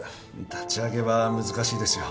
立ち上げは難しいですよ。